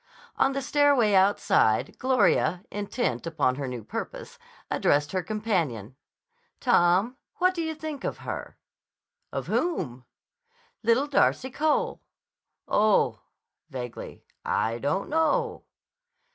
On the stairway outside, Gloria, intent upon her new purpose, addressed her companion. "Tom, what do you think of her?" "Of whom?" "Little Darcy Cole." "Oh"—vaguely—"I don't know."